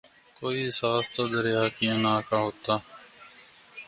کوئی احساس تو دریا کی انا کا ہوت